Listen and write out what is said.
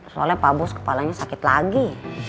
soalnya pak bos kepalanya sakit lagi